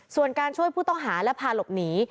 ส่วนการช่วยผู้ต้องหาและพาหลบหนี